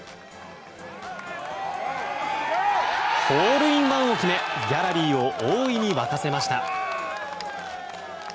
ホールインワンを決めギャラリーを大いに沸かせました。